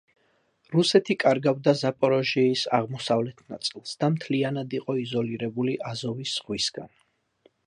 რუსეთი კარგავდა ზაპოროჟიის აღმოსავლეთ ნაწილს და მთლიანად იყო იზოლირებული აზოვის ზღვისაგან.